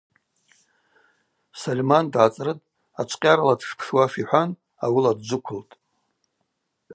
Сольман дгӏацӏрытӏ, ачвкъьарала дшпшуаш йхӏван ауыла дджвыквылтӏ.